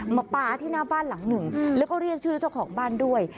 มาปลาที่หน้าบ้านหลังหนึ่งแล้วก็เรียกชื่อเจ้าของบ้านด้วย